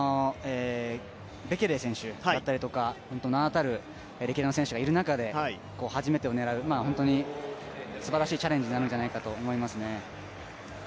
ベケレ選手だったりとか、名だたる歴代選手がいる中で初めてを狙うすばらしいチャレンジなんじゃないかなと思いますね。